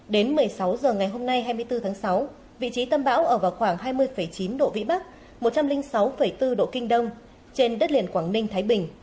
đến một mươi sáu h ngày hôm nay hai mươi bốn tháng sáu vị trí tâm bão ở vào khoảng hai mươi chín độ vĩ bắc một trăm linh sáu bốn độ kinh đông trên đất liền quảng ninh thái bình